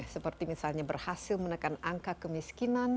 seperti misalnya berhasil menekan angka kemiskinan